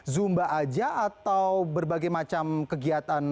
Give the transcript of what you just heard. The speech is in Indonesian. zumba aja atau berbagai macam kegiatan